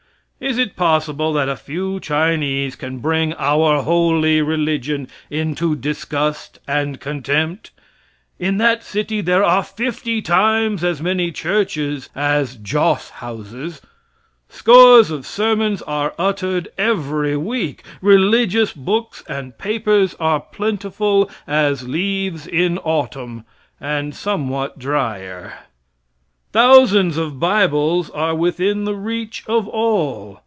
Is it possible that a few Chinese can bring "our holy religion" into disgust and contempt? In that city there are fifty times as many churches as joss houses. Scores of sermons are uttered every week; religious books and papers are plentiful as leaves in autumn, and somewhat dryer; thousands of bibles are with in the reach of all.